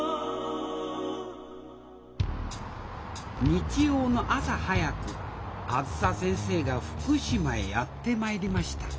日曜の朝早くあづさ先生が福島へやって参りました。